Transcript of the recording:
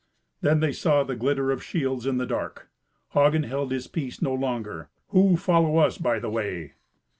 Then they saw the glitter of shields in the dark. Hagen held his peace no longer, "Who follow us by the way?"